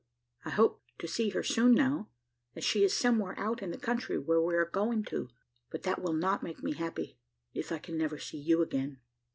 I hope to see her soon now, as she is somewhere out in the country where we are going to, but that will not make me happy, if I can never see you again.